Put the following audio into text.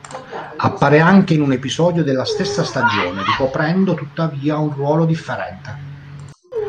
Appare anche in un episodio della sesta stagione, ricoprendo tuttavia un ruolo differente.